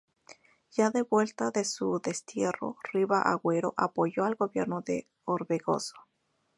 Ya de vuelta de su destierro, Riva Agüero apoyó al gobierno de Orbegoso.